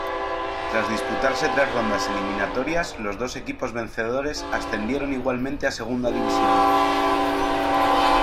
Tras disputarse tres rondas eliminatorias los dos equipos vencedores ascendieron igualmente a Segunda División.